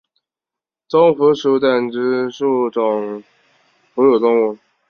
棕蝠属等之数种哺乳动物。